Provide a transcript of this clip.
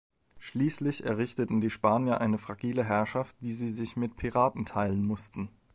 Schließlich errichteten die Spanier eine fragile Herrschaft, die sie sich mit Piraten teilen mussten.